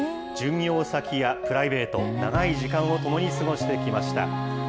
巡業先やプライベート、長い時間を共に過ごしてきました。